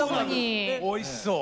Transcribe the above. おいしそう。